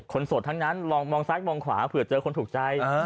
โสดทั้งนั้นลองมองซ้ายมองขวาเผื่อเจอคนถูกใจ